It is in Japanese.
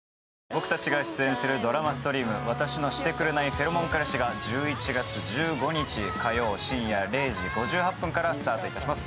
僕たちが出演するドラマストリーム、「私たちがシテくれないフェロモン彼氏」が１１月１５日火曜深夜０時５８分からスタートします。